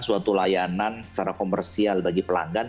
suatu layanan secara komersial bagi pelanggan